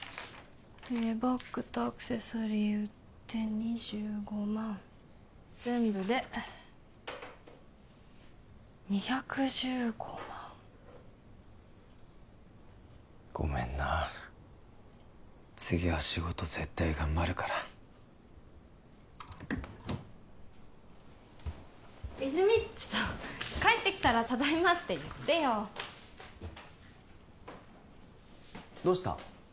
バッグとアクセサリー売って２５万全部で２１５万ごめんな次は仕事絶対頑張るから泉実ちょっと帰ってきたらただいまって言ってよどうした？